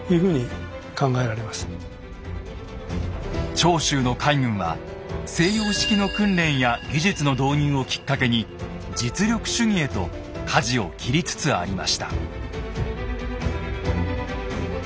長州の海軍は西洋式の訓練や技術の導入をきっかけに実力主義へとかじを切りつつありました。